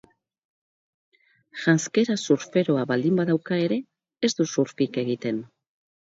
Janzkera surferoa baldin badauka ere, ez du surfik egiten.